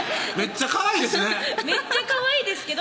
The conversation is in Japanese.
めっちゃかわいいですね！